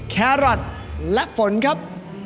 แครอทและฝนครับ